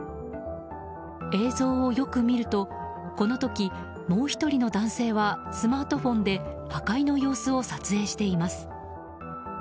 映像をよく見るとこの時、もう１人の男性はスマートフォンで破壊の様子を撮影しています。